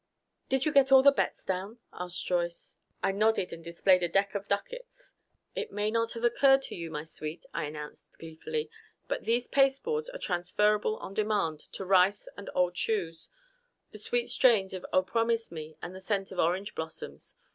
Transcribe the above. "Did you get all the bets down?" asked Joyce. I nodded and displayed a deck of ducats. "It may not have occurred to you, my sweet," I announced gleefully, "but these pasteboards are transferrable on demand to rice and old shoes, the sweet strains of Oh, Promise Me! and the scent of orange blossoms.